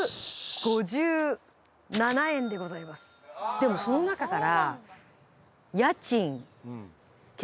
でもその中から。